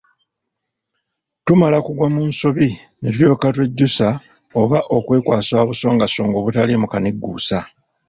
Tumala kugwa mu nsobi ne tulyoka twejjusa oba okwekwasa obusongasonga obutaliimu kanigguusa.